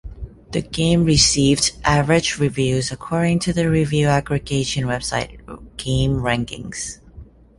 The game received "average" reviews according to the review aggregation website GameRankings.